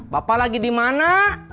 bapak lagi dimana